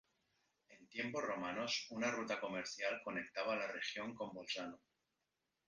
En tiempos romanos una ruta comercial conectaba la región con Bolzano.